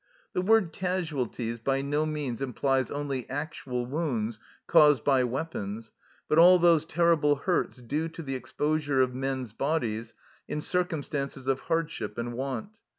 The word " casualties " by no means implies only actual wounds caused by weapons, but all those terrible hurts due to the exposure of men's bodies in circumstances of hard ship and want.